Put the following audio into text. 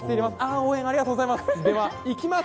応援ありがとうございます！